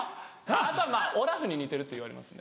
あとはまぁオラフに似てるって言われますね。